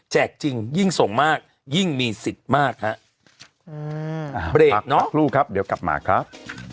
แจกจริงยิ่งส่งมากยิ่งมีสิทธิ์มากฮะอืมอ่าหลักหลูครับเดี๋ยวกลับมาครับ